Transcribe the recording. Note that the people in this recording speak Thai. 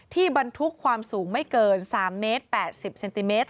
บรรทุกความสูงไม่เกิน๓เมตร๘๐เซนติเมตร